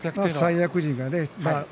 三役陣がね